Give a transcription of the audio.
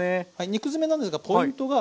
肉詰めなんですがポイントが。